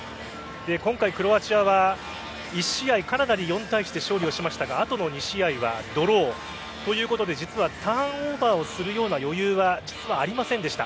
今回、クロアチアは１試合カナダに４対１で勝利しましたがあとの２試合はドロー。ということで実はターンオーバーをするような余裕はありませんでした。